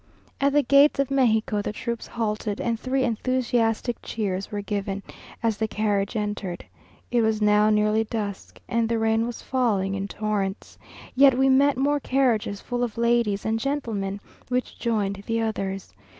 At the gates of Mexico the troops halted, and three enthusiastic cheers were given as the carriage entered. It was now nearly dusk, and the rain was falling in torrents, yet we met more carriages full of ladies and gentlemen, which joined the others.